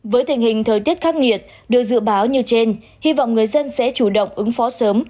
với tình hình thời tiết khắc nghiệt được dự báo như trên hy vọng người dân sẽ chủ động ứng phó sớm